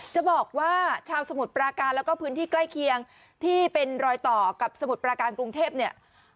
จะบอกว่าชาวสมุทรปราการแล้วก็พื้นที่ใกล้เคียงที่เป็นรอยต่อกับสมุทรปราการกรุงเทพเนี่ย